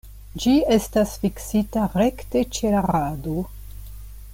Ĝi estas fiksita rekte ĉe la rado.